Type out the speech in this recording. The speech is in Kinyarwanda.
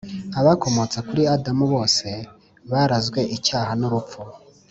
Abakomotse kuri Adamu bose barazwe icyaha n urupfu